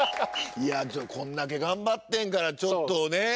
いやちょっとこんだけ頑張ってんからちょっとね